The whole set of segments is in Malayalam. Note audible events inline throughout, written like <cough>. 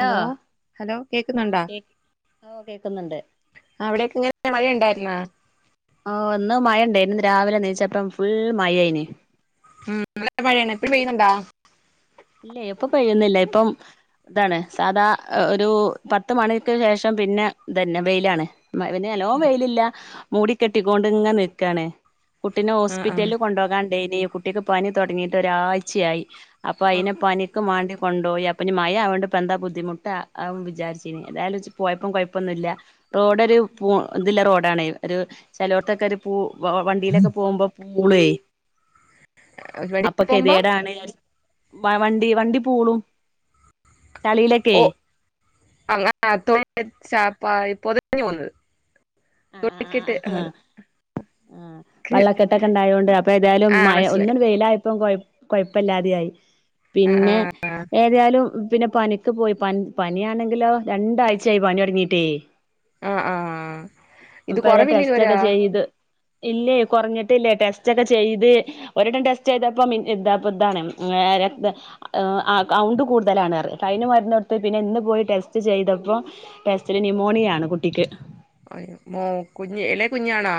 ലോ ഹലോ ഹലോ ആഹ് കേക്കുന്നൊണ്ടാ? കേ ഓ കേക്കുന്നുണ്ട് അവിടെക്കെ എങ്ങനെയ മഴയൊണ്ടായിരുന്നാ? ആ ഇന്ന് മഴ ഇണ്ടായിനി ഇന്ന് രാവിലെനീച്ചപ്പം ഫുൾ മയയായിന്. ഉ വിടേം മഴയാണ് ഇപ്പ പെയ്യുന്നുണ്ടോ? ഇല്ല ഇപ്പൊ പെയ്യുന്നില്ല ഇപ്പം ഇതാണ് സാധാ ഒരു പത്ത് മണിക്ക് ശേഷം പിന്നെ ഇതന്നെ വെയിലാണ്. പിന്നെ എലോവും വെയിലില്ല മൂടിക്കെട്ടിക്കൊണ്ടിങ്ങെ നിൽക്കാണ്. കുട്ടിനെ ആഹ് ഹോസ്പിറ്റലിൽ കൊണ്ടുപോകാണ്ടേനി, കുട്ടിക്ക് പനി തുടങ്ങീട്ടൊരാഴ്ചയായി. പ്പയിനെ പനിക്ക് മാണ്ടി കൊണ്ടോയി അപ്പനി മയ ആവുകൊണ്ടിപ്പന്താ ബുദ്ധിമുട്ട് ആവും വിചാരിച്ചിന് ഏതായാലും ജ് പോയപ്പം കൊയപ്പൊന്നും ഇല്ല. റോഡ് ഒരു ഇതില്ല റോഡ് ഡാണേ ഒരു ചെലോടത്തൊക്കെ ഒരു പൂ വണ്ടിയിലൊക്കെ പോകുമ്പോ പൂള്വെ. ആഹ് വെളിയിൽ പോകുമ്പോ അപ്പൊക്കെതികേടാണ്. <unintelligible> വ വണ്ടി വണ്ടി പൂളും. ചളിയിലൊക്കെ ഓ അങ്ങത്തണ ചാപ്പാ പൊതഞ്ഞു പോന്നത് തുട്ടിക്കിട്ട് ഉള്ളത് ആ വെള്ളക്കെട്ടൊക്കെ ഉണ്ടായതൊണ്ട് അപ്പൊ ഏതായാലും ആഹ് മഴ മനസ്സിലായി ഒന്നും വെയിലായപ്പ കൊയപ്പ കൊഴപ്പല്ലാതെ ആയി, ആഹ് പിന്നെ ആഹ് ഏതായാലും പിന്നെ പനിക്ക് പോയി പ പനിയാണെങ്കിലോ രണ്ടാഴ്ചായി പനി തുടങ്ങീട്ടേ. ആ ആ അപ്പൊ അതാ ടെസ്റ്റ് ഒക്കെ ചെയ്ത് ഇല്ലേ കുറഞ്ഞിട്ടില്ലേ ടെസ്റ്റ് ഒക്കെ ചെയ്ത് ഒരൂട്ടം ടെസ്റ്റ് ചെയ്തപ്പ ഇ ഇതാപ്പ് ഇതാണ് ആ രക്തം കൗണ്ട് കൂടുതലാണ് പറഞ്ഞു അപ്പയിന് മരുന്നൊടുത്തു, പിന്നെ ഇന്ന് പോയി ടെസ്റ്റ് ചെയ്തപ്പോ ടെസ്റ്റില് ന്യൂമോണിയ ആണ് കുട്ടിക്ക്. അയ്യോ മോൻ കുഞ്ഞ് എളേ കുഞ്ഞാണോ?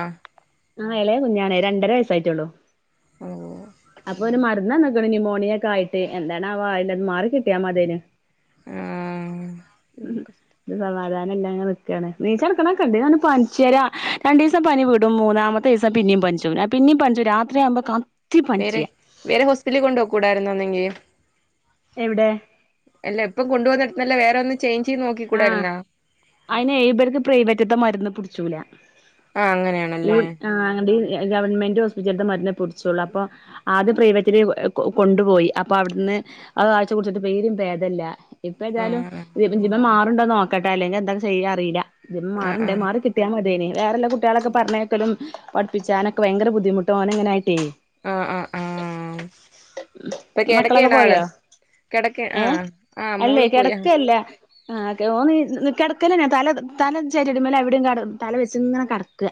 ആ എളയ കുഞ്ഞാണേ രണ്ടര വയസ്സായിട്ടുള്ളു. ഉം അപ്പൊ ഒരു മരുന്ന്ന്നേക്കാണ് ന്യുമോണിയ ഒക്കെ ആയിട്ട്, എന്താണാവോ ആ യിന്റത് മാറി കിട്ടിയാ മതേന്. ആഹ് ഉം <unintelligible> അതുകാനം എല്ലാം ഇങ്ങനെ നിക്കാണ് നീച്ചടക്കണ കണ്ടഞ്ഞാല് പനിച്ചേരാ രണ്ടീസം പനി വിടും മൂന്നാമത്തെ ദിവസം പിന്നെ ന്നെ പനിച്ചുവരും ആ പിന്നീ പനിച്ചുവരും രാത്രിയാമ്പ വേറെ വേറെ ഹോസ്പിറ്റലിൽ കൊണ്ട് പൊക്കൂടാരുന്നോന്നെങ്കി എവിടെ അല്ല ഇപ്പം കൊണ്ടു പോന്നിടത്തുന്നല്ലേ വേറെ ഒന്ന് ചേഞ്ച് ചെയ്ത് ആ നോക്കിക്കൂടായിരുന്നോ അയിനേഴുപേർക്ക് പ്രൈവറ്റത്തെ മരുന്ന് പിടിച്ചൂല. ആഹ് ഈ അങ്ങനെയാണല്ലേ ആ അങ്ങ ഗവൺമെന്റ് ഹോസ്പിറ്റലത്തെ മരുന്നെ പുടിച്ചുള്ളൂ അപ്പൊ ആദ്യം പ്രൈവറ്റില് കൊണ്ടുപോയി അപ്പൊ അവിടുന്ന് അതാഴ്ച കുടിച്ചിട്ട് പേരും ഭേദല്ല ഇപ്പൊ ഏതാലും ആഹ് ഇ ജീപൻ മാറണ്ടോന്ന് നോക്കട്ടെ അല്ലെങ്കിൽ എന്തൊക്കെ ചെയ്യാ അറിയില്ല ഇ ആഹ് മാറണ്ടേ ആഹ് മാറി കിട്ടിയാ മതിന് വേറെല്ല കുികളൊക്കെ പറഞ്ഞേക്കലും പഠപ്പിച്ചാനൊ ഭയങ്ക ബുദ്ധമുട്ടന എങ്ങനെയ ആഹ് ആഹ് ആഹ ഇപ്പൊ മക്കളൊക്കെ കേടക്കാണ് ആള് പോയോ കിടക്ക ഏഹ് ആഹ് ആഹ് അല്ലേ മോള് പോയി കിടക്കല്ല ആഹ് ഓ നീ കിടക്കലന്നാ തല തല ചേരിടിമേല എവിടെയുംട തല വെച്ച ഇങ്ങനെ കിടക്കുക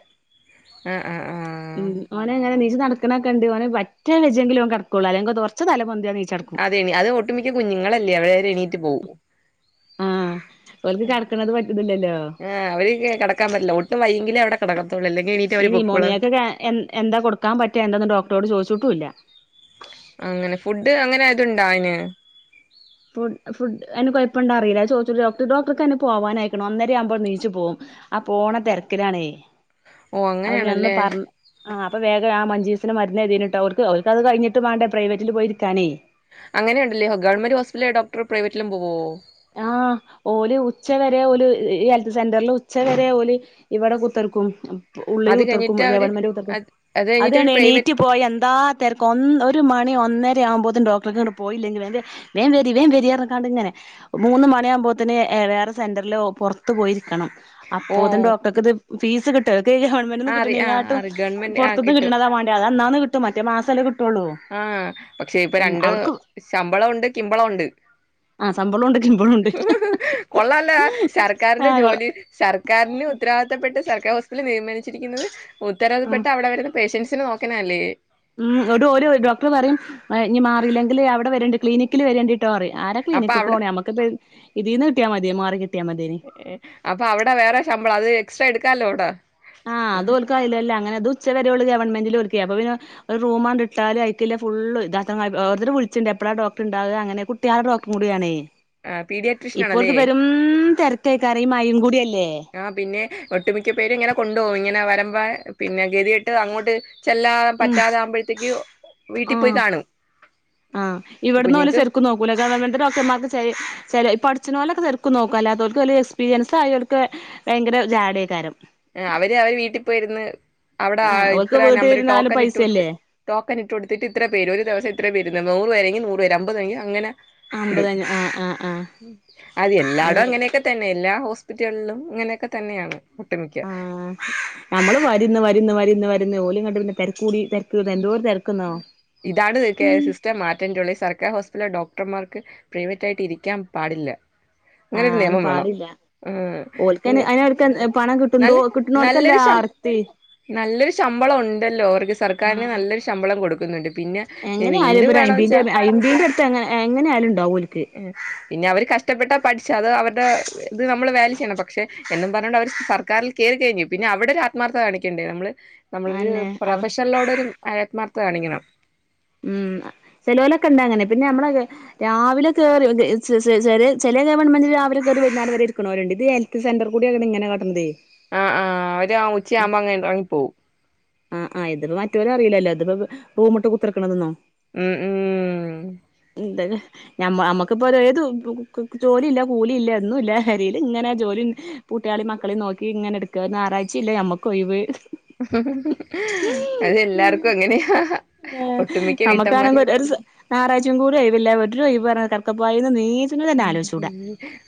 ആഹ് ആഹ് ആഹ് ഉം ഓനെങ്ങനെ നീച്ച നടക്കുന്ന കണ്ട പോ പറ്റെങ്കിലും കടക്കുള്ള അല്ലങ്കറച്ച തല നീച്ചടക്കും അതെണ അത് ഒട്ടുമിക്ക കുഞ്ഞുങ്ങളല്ലേ അവടെരെ എണീറ്റ് പോവും ആഹ് ഓൽക്ക് കടക്കണത് പറ്റണില്ലല്ലോ ആഹ് അവര് കിടക്കാൻ പറ്റില്ല ഒട്ടും വൈകങ്കിലേ അവിടെ കിടക്ക ഈ നിയമോണിയക്ക എ എന്താ കൊടുക്കാൻ പറ്റാ എന്താന്ന് ഡോക്ടറോട് ചോദിച്ചിട്ടുംല്ല അങ്ങനെ ഫുഡ് അങ്ങനെ ആതുണ്ട അന് ഇപ്പണ്ട അറിയില്ല ചോദിച്ച ഡോട ഡോക്ടർക്ക് തന്നെ പോവാനൻയിക്കണം അന്നേം ആവുമ്പോൾ നീച്ചു പോവും ആ പോണ തിരക്കിലാണേ ഓഹ് അപ്പൊ പിന്നെ അന്ന് അങ്ങനെയാണല്ലേ പറഞ്ഞു ആ അപ്പൊ വേഗം ആ മ ജീവസന് മരന്ന് എഴതിട്ട് അവർക്ക് അവർക്കത് കഴിട്ട് വേണ്ട പ്രൈറ്റിൽ പോയിരിക്കാനേ അങ്ങനെയ ഉണ്ടല്ലേോ ഗവൺമെന്റ് ഹോസ്പിറ്റല ഡോക്ടർ പ്രൈവറ്റിലും പോവോ ആ ഓല ഉച്ചവരെ ഓല ഹെൽത്ത് സെന്ററിൽ ഉച്ച വരെ ഓല ഇവിടെ കുത്തിർക്കും ഉള്ളിൽ അത് കുത്തർക്കും കഴിഞ്ഞിട്ട് അവര് ഗവൺമെന്റ്ത്തർക്കും അത് അത് കഴിഞ്ഞിട്ട് ഒരു പ്രൈവറ്റ് എണീറ്റ് പോയ എന്താ തിരക്കും ഒരു മണി ഒന്നര ആകുമ്പോത്തും ഡോക്ടർട്ട പോയില്ലെങ്കിൽ വ വേൻ വ വേൻ വരിയാക്കാണ്ട് ഇങ്ങനെ മൂന്ന് മണിയാകുമ്പോത്തന് എ അവയർ സെന്റൽോ പുറത്ത് പോയി അപ്പോതും ഓഹ് ഡോക്ടർക്ക്ത് ഫീസ് കി ഗവൺമെന്റിന്ന് ആഹ് അറി കിട്ടണ ആഹ് ഇങ്ങട്ടും അറി ഗവൺമെന്റ് പുറത്ത ആഹ് നിന്ന് കിട്ടും കിട്ടണതാ വേണ്ടത് അത് അന്നന്ന് കിട്ടും മറ്റ മാസമല്ലട്ട ആഹ പക്ഷെ ഇപ്പൊ രണ്ട് അവ്ട്ക്ക് ശമ്പള ഉണ്ട് കിമ്പളണ്ട് ആഹ് ശമ്പളോണ്ട് ശമ്പളോണ്ട് കൊള്ളല്ല സർക്കാരിന്റെ ആഹ് ജോലി സർക്കാരിന് ഉത്തരവാദിത്തപ്പെട്ട സർക്കാർ മാനിച്ചിരിക്കുന്നത് ഉം ഉത്തരവാദപ്പെട്ട് അവിടെ വരുന്ന പേഷ്യൻസിനെ നോക്കണ അല്ലേ ഉം ഒരു ഡോക്ടർ പറയും ഇനി മാറിയില്ലെങ്കിൽ അവിടെ വരേണ്ടി ക്ലിനിക്കില് വരേണ്ടിട്ട് റി ആരാ അപ്പൊ ക്ലിനിക്ക ഒക്കെ അവിടെ പോണ നമുക്ക് ഇതിൽന്ന് കിട്ടിയാ മതി മാറി കിട്ടിയാ മതിയേനി ഏ അപ്പൊ അവിടെ വേറെ ശമ്പളം അത് എക്സ്ട്രാ എടുക്കാാലോ അവിട ആഹ് അത്ൽക്കായില്ലല്ലേ അങ്ങനെ അത് ഉച്ച ഗവൺമെന്റ ഒരു റൂമട്ടാലും ഫു വിളിച്ചുണ്ട് എാോ ഡോക്ർ ഉണ്ടാവുക അങ്ങനെട്ടളുടെ ഡോക്ർ കൂടിയണേ ആഹ് പീഡിയാട്രീഷ്യൻ ആണല്ലേ ഇപ്പോർക്ക് വെരും തിരക്കെക്കാരും മഴയും കൂടിയല്ലേ ആഹ പിന്നെ ഒട്ടുമിക്ക പേര് ഇങ്ങനെ കൊണ്ടപോും ഇങ്ങനെ വരമ്പ പിന്നെ ഗതിയിട്ട് അങ്ങോട്ട് ചെല്ലാൻ ഉം പറ്റാതൊകുമ്പോഴത്തേക്ക് വീട്ടിൽ പോയി ആഹ് കാണും ആഹ് ഇവിടന്ന് പോലെ കുഞ്ഞുങ്ങൾക്ക് ചെറുക്ക് നോക്കൂല ഗവൺമെന്റ് ഡോക്ടർമാർക്ക് ച ചപ്പ അച്നോലൊക്കെർക്കും നോക്ക അല്ലാത്തർക്ക് വലിയ എക്സ്പീരിയസ് അ അവർക്ക് ഭയങ്കര ജാഡയേക്കാരം അവര് അവര് വീട്ടിൽ പോയി ഇരുന്ന് അവിടെ ആഹ് ഓൽക്ക് ഇത്ര നമ്പര് വീട്ടിലിരുന്നാലും ടോക്കൻ ഇട്ട കൊടുത്ത് പൈസയല്ലേ കന്നിട്ട കൊടുത്തിട്ട് ഇത്ര പേ ഒരു ദിവം ഇത്ര പ വര നൂറ് വരരെങ്ക നൂറ്ര അമ്പത്തണെങ്ക അനെ ഇടും അമ്പതഞ്ഞ ആഹ് ആഹ് ആഹ് അത് എല്ലാടും അങ്ങനെ അങ്ങനെയൊക്കെ തന്നെല്ല ഹോസ്പിറ്റലിലും ഇങ്ങനെയൊക്കെ തന്നെയാണ് ഒട്ടുമിക്ക ആ നമ്മള് വരുന്ന് വരുന്ന് വരുന്ന് വരുന്ന് ഓലും കണ്ടു പിന്നെ തിരക്കൂടി ഇതാണ് ത സിസ്റ്റർ മാറ്റേണ്ടള്ളത് സർക്കാർ ഹോസ്പിറ്റല ഡോക് ഡോക്ടർമാർക്ക് പ്രൈവറ്റ ആായിട്ട് ഇരിക്കാൻ പാടില്ല അങ്ങനൊരു ആഹ അനെ നിയമം വേണം പാടില്ല ഉം ഓക്കൻ അന എടുക്കാൻ നല്ല കിട്ടോ കിട്ടുന്നോർക്കല്ല നല്ലൊരു ശം ആർത്തി നല്ലൊരു ശമ്പളം ഉണ്ടല്ലോ അവർക്ക് സർക്കാരിന് ആഹ് നല്ലൊരു ശമ്പളം കൊടുക്കുന്നുണ്ട് പിന്നെ എങ്ങനെ ആയാലും ഇപ്പൊ വീണ്ടും ഒരു വേണം അയ്മ്പീന്റെ അയ്മ്പീന്റെ അടുത്ത് എങ്ങനെ എങ്ങനെ ആയാലും ഇണ്ടാവും ഓൽക്ക് ന്നെ ക പഠിച്ച അത് അവരുടെ ഇത് നമ്മള് വാല്യ ചെയ്യണം പക്ഷെ എന്നും പറഞ്ഞ കൊണ്ട് അവർ സർക്കാരിൽ കേറി കഴിഞ്ഞു പിന്നെ അവിടെ ഒരു ആത്മാർത്ഥ കാണിക്കേണ്ടേ നമ്മള് നമ്മളെരു അതെന്നെ അവ പ്രൊഫഷനിലോടൊരു ആത്മാർത്ഥത കാണിക്കണം ഉം ചെലവലൊക്കെയൊണ്ട് അങ്ങനെ പിന്നെ നമ്മള് രാവിലെ കേറി ച ചെല ഗവൺമെന്റ് രാവിലെ കേറി ത് വൈന്നാരം വെരെ ഇരിക്ക്‌ണോല്ണ്ട് ഇത്ഹെൽത്ത് സെന്റർ കൂട്യണ് ഇങ്ങനെ കാട്ട്ണതെ ആഹ് ആഹ് അവര് ഉച്ചയാവുമ്പം അങ്ങ് എറങ്ങി പോവും ആ ആ ഇത്പ്പോ മറ്റോരറിലല്ലോ ഇതിപ്പോ റൂമ്ട്ട് കുത്ത്ർക്കണതൊന്നും ഉം ഉം ഉം അ നമ്മക്കിപ്പോ ഏത് ജോലിയില്ല കൂലിയില്ല ഒന്നുയില്ല പെരയിൽ ഇങ്ങനെ ജോലി കുട്ട്യാളേം മക്കളേം നോക്കി ഇങ്ങനെ ട്ക്കാ ഞാറായ്ച്ചില്ല ഞമ്മക്കൊയ് വ് അതെല്ലാർക്കും അങ്ങന്യാ നമ്മക്കാണെങ്കി ഒരു സൊ ഞാറായ്ച്ചേ കൂടി ഒയ്വില്ല ഒരുയ്വ് ന്ന്ർഞ കെടക്കപ്പായിന്ന് നീ ഉ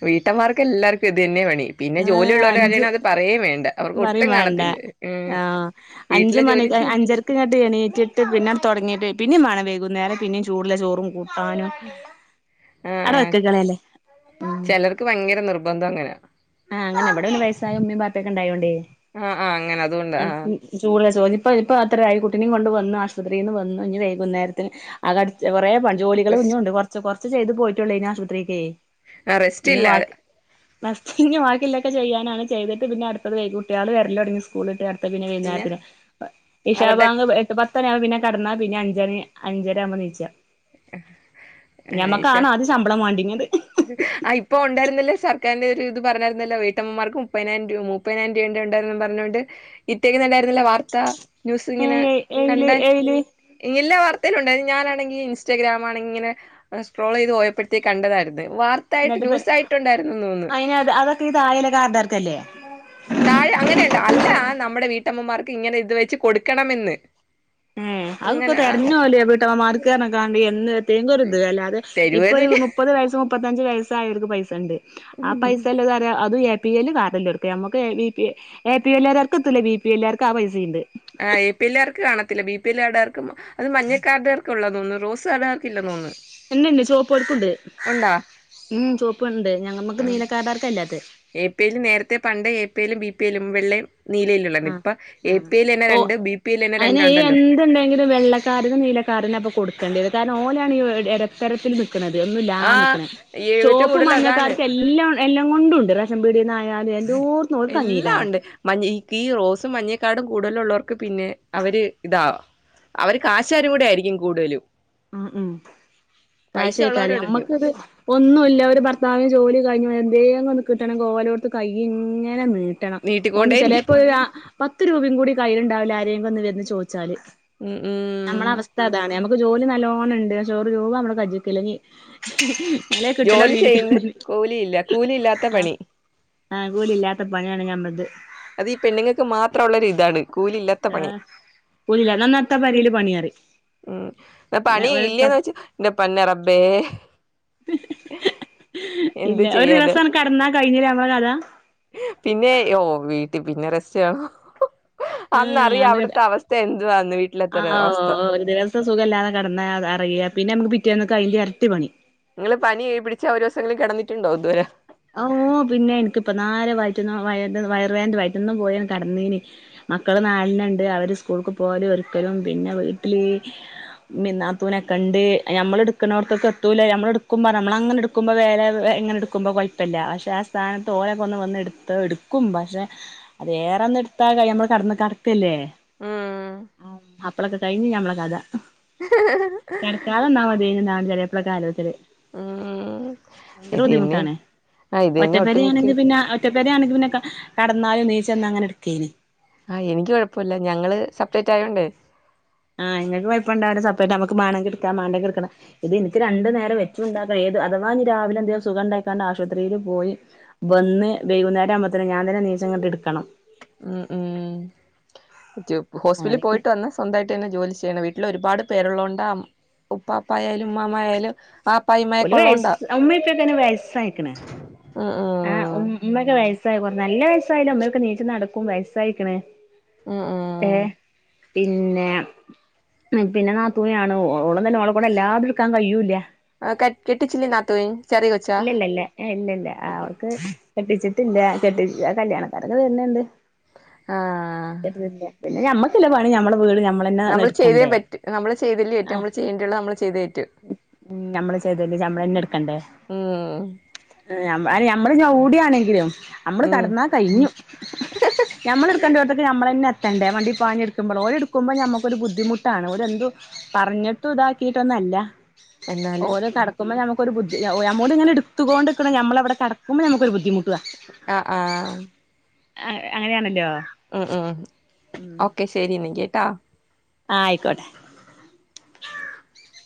വീട്ടാമാർക്ക് എല്ലാർക്കും ഇത് തന്നെ പണി പിന്നെ ആഹ് ജോലിയെള്ള അഞ്ച് കാര്യാണ് അത് പറയെ വേണ്ട അവർക്ക് പറയും ഒട്ടും വേണ്ട കാണത്തില്ല ഉം ആഹ് അഞ്ച് വീട്ടിലെ മണി ജോലി ചെയ്യ അഞ്ചരക്ക് ഇങ്ങിട്ട് എണീറ്റിട്ട് പിന്നെ തെടങ്ങിയിട്ട് പിന്നെ വേണം വൈകുന്നേരം പിന്നെ ചൂടുളളചോറും കൂ താനും ആ ആ ഉം ചെലോർക്ക് ഭയങ്കര നിർബന്ധങ്ങനെ അങ്ങനെ ഇവടെ ഒരു വയസ്സായോണ്ട് ഉമ്മയും, ബാപ്പയൊക്കെ ഉണ്ടായോണ്ടേ ആഹ് ആഹ് അങ്ങനെ അതുകൊണ്ട് ആഹ് <unintelligible> ജ്യോതി പ്പ ഇപ്പത്രായ് കുട്ടിനിം കൊണ്ട് വെന്ന് ആശുപത്രിന്ന് വെന്നു ഞ്ഞി വൈകുന്നേരത്തിന് അകടിച്ച് കൊറെ പണി ജോലികള് റെസ് കുഞ്ഞുമുണ്ട് കെറച്ച്, കെറച്ച് ചെയ്തു പോയിട്ടൊള്ളെ ആശു ത്രിക്ക് അ റെസ്റ്റ് ഇല്ലാതെ <unintelligible> ബാക്കില്ലൊക്കെ ചെയ്യാനാണ് ചെയ്ത്ട്ട് പിന്നെ അട്ത്തതെ കുട്ട്യാള് വെര്ലൊടങ്ങി സ്കൂള് ട്ട് പിന്നെ ഈ നേരത്തിന് ഈ അവരുടെ ശാപം എട്ട് പത്ത് അ പിന്നെ കെടന്നാ പിന്നെ അഞ്ചര അഞ്ചര ആകുമ്പോ എനീച്ച ഏഹ് ഇഷ ഞമ്മക്കാണ് ആദ്യം ശമ്പളം വാണ്ടിങ്ങിയത് ആഹ് ഇപ്പം ഒണ്ടായിരുന്നല്ലോ സർക്കാരിന്റെ ഒരു ഇത് പറഞ്ഞായിരുന്നല്ലോ വീട്ടമ്മാർക്ക് മുപ്പതിനായിരം രൂപ മുപ്പതിനായിരം രൂപ ന്ന് ണ്ടായ്ര്ന്നും പർഞ്ഞോണ്ട് ഇട്ടിണ്ടായിരുന്നല്ലോ വാർത്ത ന്യൂസ് ഏ ഇങ്ങനെ ഏയില് കണ്ട ഏയില് ഇങ്ങില്ലാ വർ ഉണ്ടായിത് ഞാനാണെങ്കി ഇൻസ്റ്റാഗ്രാം ആണ് ഇങ്ങനെ സ്ക്രോള് ചെയ്ത് പോയപഴ്ത്തെ കണ്ടതാരുന്ന് വാർത്തായിട്ട് എന്നിട്ട് ന്യൂസായിട്ടുണ്ടായിരുനന്ന് തോന്ന്ന്ന്. അയിന് അതൊക്കെ ഈ താഴെയുള്ള കാർഡാർക്കല്ലേ താഴെ അങ്ങനെയിണ്ട അല്ല നമ്മുടെ വീട്ടമ്മമാർക്ക് ഇങ്ങനെ ഇത് വെച്ച് കൊടുക്കണമെന്ന് ഉം അതൊക്കെ അങ്ങനെ തെരഞ്ഞോലിയ വീട്ടമ്മ മാർക്ക് രനെക്കാണ്ടി എന്ന് ഏങ്കുരുത് അല്ലാതെ ഇപ്പൊ ഒരു തരുവേന്നുല്ല മുപ്പത് വയസ്സ് മുപ്പത്തഞ്ച് വയസ്സായവർക്ക് പൈസണ്ട് ആ പൈസല്ല ത് ര അ എ. പി. എൽ കാർഡല്ലാം എട്ക്ക് മ്മ്ക്ക് A. B. P A. P. എല്ലർക്കത്തില്ല ബി. പി. എല്ലാർക്ക് ആ പൈസണ്ട് ആ എ പി എല്ലാർക്ക് കാണത്തില്ല ബി പി എല്ലാടാർക്ക്‌ അതും മഞ്ഞക്കാടാർക്ക്‌ള്ള തോന്നു റോസാടാർക്കില്ലെന്ന് തോന്ന്ന്ന് എന്തെണ്ട് ചെവപ്പ് കാർഡ് ഉണ്ട് ഉം ചെവപ്പ് ഉണ്ട് നമ്മക്ക് നീല കാർഡ്കാർക്കായില്ലാത്തെ എ പി എൽ നേരത്തെ പണ്ടേ എ പി എലും, ബി. പി. എലും, വെള്ളേ നീലയില്ലല്ലോന്ന് ആഹ് പ്പൊ എ ആഹ് പി എല്ലെന്നെ ഓ രണ്ടും ബി പി എല്ലെന്നെ അയിന് രണ്ടുണ്ടല്ലോ കാട്നാപ്പൊ കൊട്ക്കണ്ടയേത് കാരണം ഓലാണീ എടത്തരത്തിൽ നി ക്ക്‌ണത് ഒന്നുല്ലാ ആ നിക്ക്ണത് ഏറ്റവും ചോപ്പും കൂടുതൽ അതാണ് മഞ്ഞക്കാർക്കും എല്ലും എല്ലങ്കോണ്ടുംണ്ട് റേഷൻ പീട്യേ എല്ലായൊണ്ട് മഞ്ഞകി, റോസ് സും മഞ്ഞേ കാർഡും കൂടുതലൊളേളാർക്ക് പിന്നെ അവര് ഇതാകാം അവർ കാശ് കാരും കൂടെ ആയിരിക്കും കൂടുതലും ഉം ഉം പൈസ കാശേക്കാരം ഉള്ളവരോടായിരിക്കും ഞമ്മക്കിത് ഒന്നുല്ല ഒരു ഭർത്താവി ജോലി കഴിഞ്ഞ് എന്തേലേ ഒന്ന് കിട്ടണം <unintelligible> കഴി ഇങ്ങനെ മീട്ടണം ഒന്ന് നീട്ടിക്കൊണ്ടേയിരിക്കും ചെലപ്പോഴ പത്ത് രൂപയും കൂടി കയ്യിയിലിണ്ടാവില്ല ആരെയങ്കിലും ഒന്ന് വന്ന് ചോദിച്ചാല് ഉം നമ്മളെ ഉം അവസ്ഥ അതാണ് നമ്മ ജോലി നല്ലോണം ണ്ട് പക്ഷേ ഒരു രൂപ നമ്മടെ ക്ജിക്കില്ലെങ്കിൽ മലെ കിട്ടലോ ജോലി അടിഞ്ഞ കിട്ട ചെയ്യുന്ന് കൂലിയില്ല കൂലി ഇല്ലാത്ത ആഹ പണി ആഹ് ഗൂളില്ലാത്ത പണിയാണ് ഞ അത് ഈ പെണ്ണുങ്ങൾക്ക് മാത്രം ഉള്ളരു ഇതാണ് കൂലി ഇല്ലാത്ത പണി ല്ല എന്നാത്തെ പരിയിൽ പണിയാറി ഉം പണി ഇല്ലേന്ന് വെച്ച എന്റെ പന്ന റബബേ ഇല്ല ഒരു ചെയ്യാന് ദിവസ കിടന്നാ കഴിഞ്ഞില്ലമ്മള കഥ ട്ട പിന്നെ രസയാണോ ആ ക വീട്ടിലത്തെ ആ അവസ്ഥ ഒരു ദിവസം സുഖല്ലാതെ കിടന്നതാ പററ പിന്നെ നമുക്ക് പിറ്റേന്ന അതിന്റെ അരട്ട പണി നിങ്ങള്ൾ പനി ഏ പിിച്ച ഒരു ദസം എങ്കില കിന്നിട്ടുണ്ടോ ഇതുവരെ ഓ പിന്നെ എനിക്കിപ്പ നരെ വയറ്റ വയ വയറ വേ് വയറ്റന്നും പോയ കടന്നീന് മക്കൾ നാടിനുണ്ട് അവര് സ്കൂൾക്ക് പോലെ ഒരിക്കലും പിന്നെ വീട്ടിൽ പിന്നാത്തൂനെക്കെ കണ്ട് മ്മള എടുക്കുന്നവർക്കൊക്കെ എത്തൂല്ല ഞമ്മള എടുക്കുമ്പോ നമ്മള അങ്ങനെ എടുക്കുമ്പോ വേറെ എങ്ങന എടുക്ക്പോൾ പക്ഷെ ആ സ്ഥാനത്ത് ഓരക്കെ ഒന്ന് വ എടു എടുക്കും പക്ഷെ അത് േറെന്ന എടുത്ത ന പന്ന് കടക്കല്ലേ ആഹ ആ അപ്പളൊക്ക കഴിഞ്ഞ്ഞ നഞമ്മളക്ക അത കിടക്കാലന്നാ മതിെന്താണ് ചിലിയപ്പഴ കാല ഒത്തിരി ഉം ഭയങ്കര ഇത് തന്നെ ബുദ്ധിമുട്ടാാണ് ആ ഇത് തന്നെ ഒറ്റപ്പേര ഒട്ടുമിക്ക ആണെങ്കിൽ പിന്നെ ഒറ്റപ്പേര ആണെങ്കിൽന്നെ കടന്നാലും നീച്ച അങ്ങനെ എടുക്കേന് ആഹ എനിക്ക് കൊഴപ്പില്ല ഞങ്ങള് സെപ്പറേറ്റ് ആയോണ്ട്േ ആഹ് നിങ്ങക്ക്യപ്പ ഇണ്ടവി സപ്പേറ്റ്മുക്ക് മേണം കിടാം മേണ്ട കിക്കണം ഇത് എനിക്ക് രണ്ടു നേരം വെച്ചുണ്ടാ അഥവാ ന രാവിലെ എന്ത സുഖ ഉണ്ടക്കാണ്ട് ആശുപത്രിൽ പോയി വന്ന് വൈകുന്നേം ആകുമത്തേ ഞാൻ തന്നെ ട്ട എടുക്കണം ഉ ഉ ഹോസ്പിറ്റലിൽ അങ്ങനെയൊക്കെ പോയിട്ട് വന്ന സ്വന്തമായിട്ട് തെ ജോലി ചെയ്യ വീട്ടിൽ ഒരുപാട് പേരുള്ളോണ്ട് ഉപ്പാപ്പായാലും ഉമ്മായ ആയാലും വയ അമ്മപ്പൊക്കെന്നെ വയസായിക്കണ ഉം ആ ഉം ഉ ഉമ്മക്കെ വയ കൊറ നല്ല വയസായില്ല അമ്മയൊക്കെ നീച്ച നടക്കും വയസ്സായിരിക്കണ് ഉം ഏ ഉം പിന്നെ പിന്നെ നാ തൂണിയാണ് ഓള്ള തന്നെ ഓള കൂടെ എല്ലാതും എടുക്കാൻ കഴിയൂല്ല ആഹ ക കട്ടിിച്ചില്ലിിന തു ഇല്ലല്ല ഇല്ല ഇല്ല ഇല്ല അവർക്ക് പട്ടിച്ച ട്ട കെട്ട കല്യാണക്കാരൊക്കെ വരുന്നെുണ്ട് ആഹ പിന്നെ നമ്മ ചിലവാണ് മ്മടെ വീട് ഞമ്മളന്നെ നമ്മള് ചെയ്തേ എടുക്കണ്ടേ പറ്റും നമ്മള് ചെയ്തല്ലേ പറ്റും നമ്മള് ചെയ്യേണ്ടുള്ളത് നമ്മള് ചെയ്തേ പറ്റൂ ഉ നഞമ്മള് ചെയ്തല്ലേ നഞമ്മളന്നെ എടുക്കണ്ടേ ഉം ഞമ്മള് ഞ ഓടിയാണെങ്കിലും നമ്മള് ഉം കടന്നാ കഴിഞ്ഞു നഞമ്മൾ എടുക്കേണ്ട പോടത്തേക്ക നഞമ്മള തന്നെ തെണ്ടേ വണ്ടയി പാഞ്ഞെടുക്കുമ്പോൾോഓരെടുുമ്പോ നമുക്കൊരു ബുദ്ധിമുട്ടാണ് ഒരുര് എന് പറഞ്ഞിട്ട ഇതാക്കിയി്ൊന്ന ഓ എന്നാലും കക്കുമ്പോ നു നമ്മല ഇങ്ങെടുുകൊണ്ട്ിക്ക നമ്മവിടെ കടുമ്പോ നമു ഒരു ബുധിമുട്ടാണ് ആഹ ആഹ ആ അങ്ങനെയാണല്ലോ ഉം ഉം ഓക്കെ ശരിന്ന കേട്ടാ ആഹ ആയിക്കോട്ടെ ആ